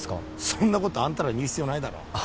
そんなことあんたらに言う必要ないだろあ